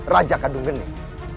raja kadung gening